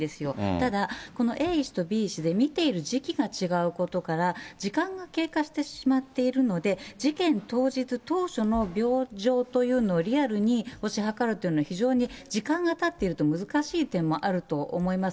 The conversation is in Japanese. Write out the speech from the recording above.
ただ、このＡ医師とＢ医師で診ている時期が違うことから、時間が経過してしまっているので、事件当日、当初の病状というのをリアルに推し量るというのは非常に時間がたっていると難しい点もあると思います。